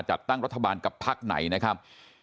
จัดตั้งรัฐบาลกับพักไหนนะครับ